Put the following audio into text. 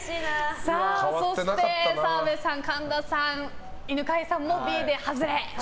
そして澤部さん、神田さん犬飼さんもＢで外れ。